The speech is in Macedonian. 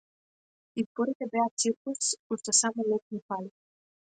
Изборите беа циркус, уште само леб ни фали.